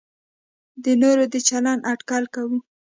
د نورو د چلند اټکل کوو.